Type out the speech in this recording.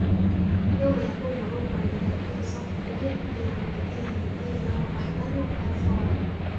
يَوْمَ يَقُومُ الرُّوحُ وَالْمَلَائِكَةُ صَفًّا لَا يَتَكَلَّمُونَ إِلَّا مَنْ أَذِنَ لَهُ الرَّحْمَنُ وَقَالَ صَوَابًا